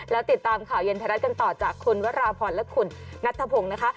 แล้วติดตามข่าวเย็นไทยรัฐกันต่อจากคุณวราพรและคุณนัทธพงศ์นะคะ